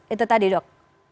itu tadi dok